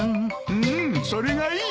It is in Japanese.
うんそれがいい。